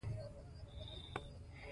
مزارشریف د افغانانو د ژوند طرز اغېزمنوي.